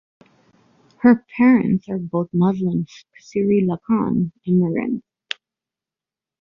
Her parents are both Muslim Sri Lankan immigrants.